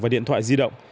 và điện thoại di động